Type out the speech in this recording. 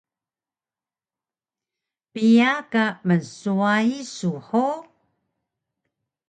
Piya ka mnswayi su hug?